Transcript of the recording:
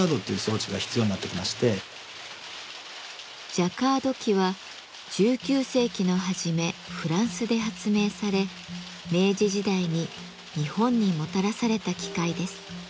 ジャカード機は１９世紀の初めフランスで発明され明治時代に日本にもたらされた機械です。